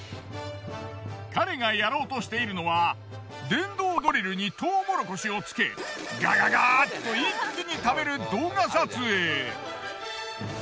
彼がやろうとしているのは電動ドリルにトウモロコシをつけガガガっと一気に食べる動画撮影。